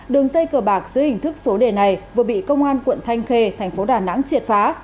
đường dây cờ bạc giữa hình thức số đề này vừa bị công an quận thanh khê thành phố đà nẵng triệt phá